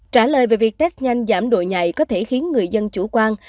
trả lời về việc test nhanh giảm độ nhạy có thể khiến người dân chủ quan